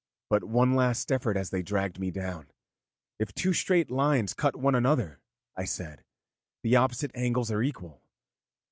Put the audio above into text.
But one last effort as they dragged me down 'If two straight lines cut one another,' I said, 'the opposite angles are equal.